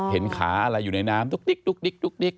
เห็นขาอะไรอยู่ในน้ำดูก